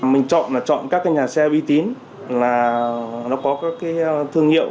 mình chọn là chọn các cái nhà xe uy tín là nó có các cái thương hiệu